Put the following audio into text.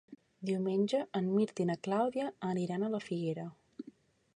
Diumenge en Mirt i na Clàudia aniran a la Figuera.